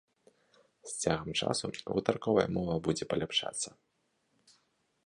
З цягам часу гутарковая мова будзе паляпшацца.